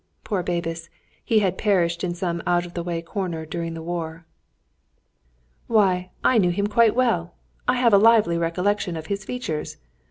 Poor Bebus! he had perished in some out of the way corner during the war.) "Why, I knew him quite well! I have a lively recollection of his features.